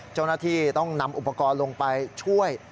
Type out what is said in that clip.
เจ้าหน้าที่ต้องนำอุปกรณ์ลงไปช่วย